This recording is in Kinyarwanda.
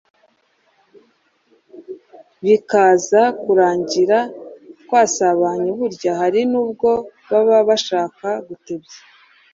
bikaza kurangira twasabanye. Burya hari n’ubwo baba bashaka gutebya.